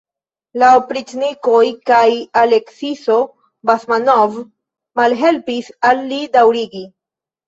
La opriĉnikoj kaj Aleksiso Basmanov malhelpis al li daŭrigi.